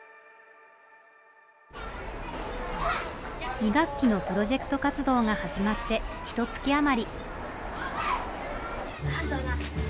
２学期のプロジェクト活動が始まってひとつき余り。